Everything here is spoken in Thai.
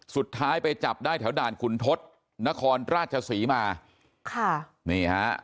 สุดท้ายไปจับได้แถวด่านขุนทศนครราชศรีมาค่ะนี่ฮะ